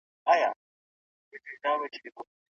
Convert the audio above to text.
حقیقت پلټنه د هر باسواده انسان دنده ده.